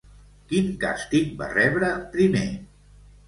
Quin càstig va rebre primer?